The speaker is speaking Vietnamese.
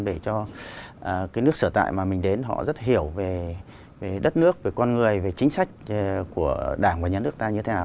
để cho nước sở tại mà mình đến họ rất hiểu về đất nước về con người về chính sách của đảng và nhà nước ta như thế nào